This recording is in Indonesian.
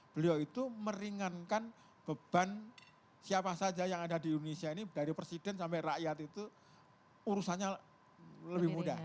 beliau itu meringankan beban siapa saja yang ada di indonesia ini dari presiden sampai rakyat itu urusannya lebih mudah